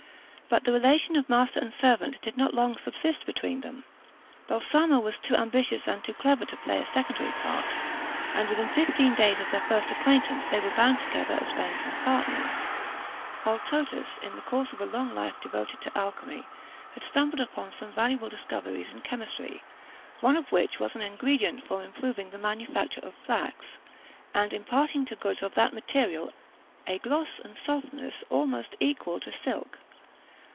But the relation of master and servant did not long subsist between them; Balsamo was too ambitious and too clever to play a secondary part, and within fifteen days of their first acquaintance they were bound together as friends and partners. Altotas, in the course of a long life devoted to alchymy, had stumbled upon some valuable discoveries in chemistry, one of which was an ingredient for improving the manufacture of flax, and imparting to goods of that material a gloss and softness almost equal to silk.